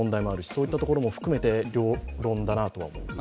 そういったところも含めて両論だなとは思いますね。